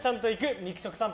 肉食さんぽ。